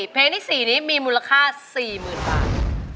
เพลงที่๔นี้มีมูลค่า๔๐๐๐บาท